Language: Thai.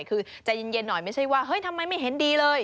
คือใจเย็นหน่อยไม่ใช่ว่าเฮ้ยทำไมไม่เห็นดีเลย